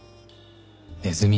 ネズミ。